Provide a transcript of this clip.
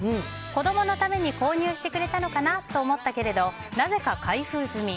子供のために購入してくれたのかなと思ったけれどもなぜか開封済み。